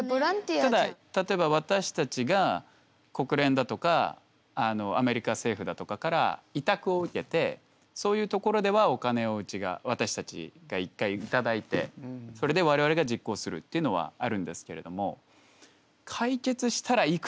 ただ例えば私たちが国連だとかアメリカ政府だとかから委託を受けてそういうところではお金をうちが私たちが一回頂いてそれで我々が実行するっていうのはあるんですけれどもああ。